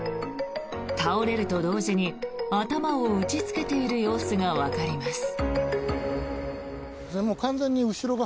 倒れると同時に頭を打ちつけている様子がわかります。